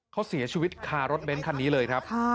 เขาเสียชีวิตคารถเบ้นคันนี้เลยครับ